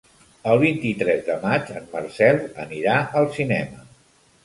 El vint-i-tres de maig en Marcel anirà al cinema.